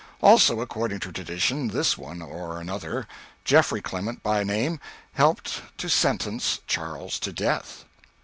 Also, according to tradition, this one or another Geoffrey Clement, by name helped to sentence Charles to death.